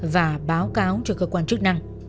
và báo cáo cho cơ quan chức năng